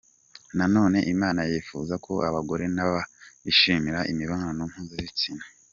Nanone Imana yifuza ko abagore na bo bishimira imibonano mpuzabitsina.